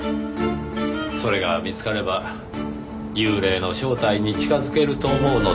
それが見つかれば幽霊の正体に近づけると思うのですが。